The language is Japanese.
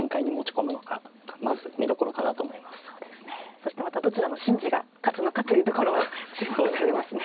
そしてまたどちらの「しんじ」が勝つのかというところも注目されますね。